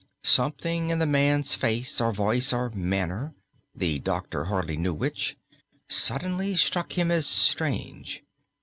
Something in the man's face, or voice, or manner the doctor hardly knew which suddenly struck him as strange.